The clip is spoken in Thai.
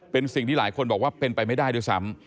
เป็นสิ่งที่หลายคนบอกว่าเป็นไปไม่ได้ด้วยซ้ำ